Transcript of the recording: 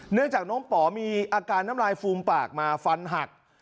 เนื่องจากน้องป๋อมีอาการน้ำลายฟูมปากมาฟันหัก